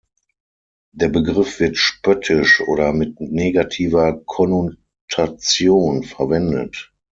Der Begriff wird spöttisch oder mit negativer Konnotation verwendet.